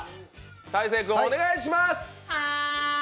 大晴君、お願いします。